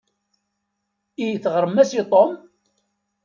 I teɣrem-as i Tom?